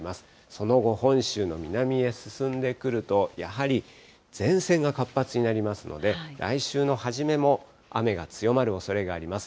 その後、本州の南へ進んでくると、やはり前線が活発になりますので、来週の初めも雨が強まるおそれがあります。